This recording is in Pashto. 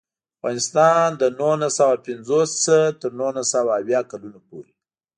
افغانستان له نولس سوه پنځوس نه تر نولس سوه اویا کلونو پورې.